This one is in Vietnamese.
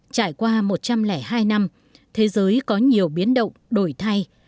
trải qua một trăm linh hai năm thế giới có nhiều biến động đổi thay